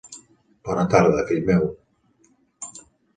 Bona tarda, fill meu.